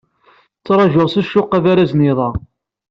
Ttṛajuɣ s ccuq abaraz n yiḍ-a.